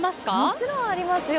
もちろんありますよ。